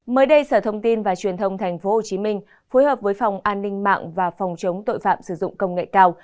mới đây sở thông tin và truyền thông tp hcm phối hợp với phòng an ninh mạng và phòng chống tội phạm sử dụng công nghệ cao